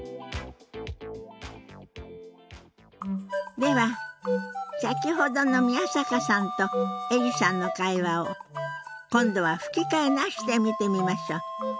では先ほどの宮坂さんとエリさんの会話を今度は吹き替えなしで見てみましょう。